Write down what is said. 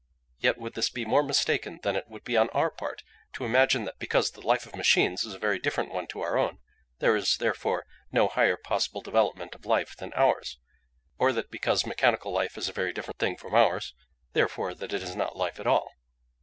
Yet would this be more mistaken than it would be on our part to imagine that because the life of machines is a very different one to our own, there is therefore no higher possible development of life than ours; or that because mechanical life is a very different thing from ours, therefore that it is not life at all?